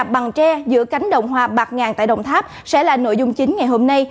bằng tre giữa cánh đồng hòa bạc ngàn tại đồng tháp sẽ là nội dung chính ngày hôm nay